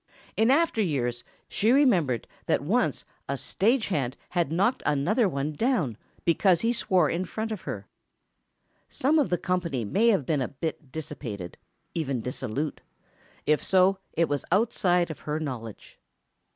In after years, she remembered that once a stage hand had knocked another one down because he swore in front of her. Some of the company may have been a bit dissipated, even dissolute; if so, it was outside of her knowledge.